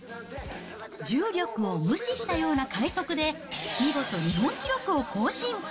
重力を無視したような快速で、見事日本記録を更新。